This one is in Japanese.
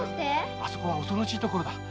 あそこは恐ろしい所だ。